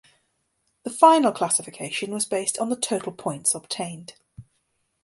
The final classification was based on the total points obtained.